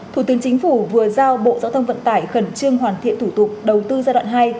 thủ tướng chính phủ vừa giao bộ giao thông vận tải khẩn trương hoàn thiện thủ tục đầu tư giai đoạn hai